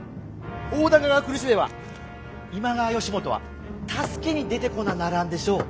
大高が苦しめば今川義元は助けに出てこなならんでしょう。